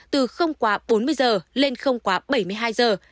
từ không quá bốn mươi giờ lên không quá bảy mươi hai giờ